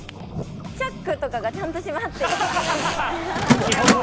チャックとかが、ちゃんと閉まってるか。